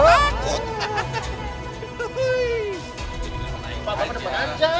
pak bermanfaat aja